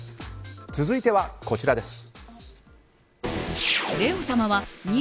続いてはこちらです。